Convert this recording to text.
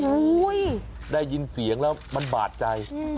ได้ยินเสียงแล้วมันบาดใจ